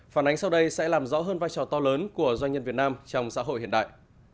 phản ánh sau đây sẽ làm rõ hơn vai trò to lớn của doanh nhân việt nam trong xã hội hiện đại